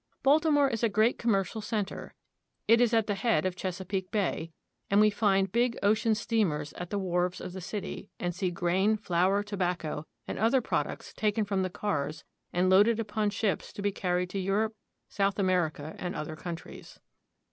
Baltimore is a great commercial center. It is at the head of Chesapeake Bay, and we find big ocean steamers at the wharves of the city, and see grain, flour, tobacco, and other 46 BALTIMORE. products taken from the cars and loaded upon ships to be carried to Europe, South America, and other countries.